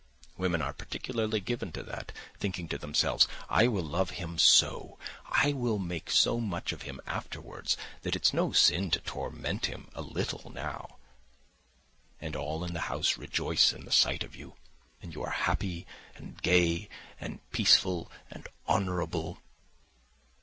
Women are particularly given to that, thinking to themselves 'I will love him so, I will make so much of him afterwards, that it's no sin to torment him a little now.' And all in the house rejoice in the sight of you, and you are happy and gay and peaceful and honourable....